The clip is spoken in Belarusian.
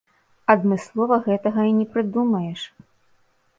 Адмыслова гэтага і не прыдумаеш.